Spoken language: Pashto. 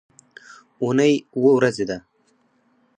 اونۍ اووه ورځې ده